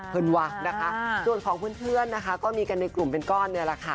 วะนะคะส่วนของเพื่อนนะคะก็มีกันในกลุ่มเป็นก้อนเนี่ยแหละค่ะ